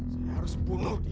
saya harus bunuh dia